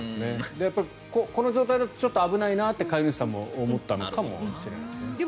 この状態だとちょっと危ないと飼い主さんも思ったのかもしれないですね。